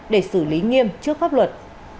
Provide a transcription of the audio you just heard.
để xử lý nghiêm trước pháp luật